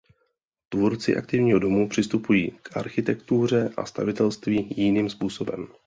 Tvůrci aktivního domu přistupují k architektuře a stavitelství jiným způsobem.